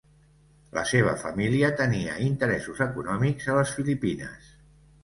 La seva família tenia interessos econòmics a les Filipines.